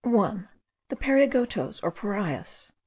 1. The Pariagotos or Parias.